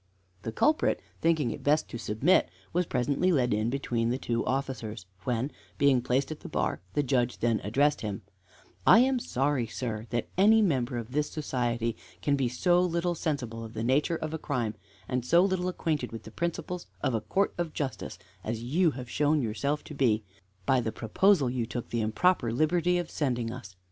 The culprit, thinking it best to submit, was presently led in between the two officers, when, being placed at the bar, the Judge then addressed him: "I am sorry, sir, that any member of this society can be so little sensible of the nature of a crime and so little acquainted with the principles of a court of justice as you have shown yourself to be by the proposal you took the improper liberty of sending us.